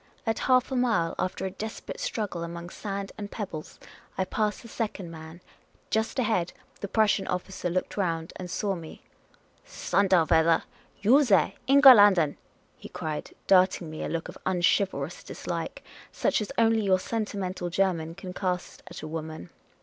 At half a mile, after a desperate struggle among sand and pebbles, I pa.ssed the second man ; just "HOW FAR AHKAD THE FIRST MAN?" ahead, the Prussian officer looked round and saw me "Thunder weather! you there, Englanderin ?" he cried, darting me a look of unchivalrous dislike, such as only your sentimental German can cast at a woman.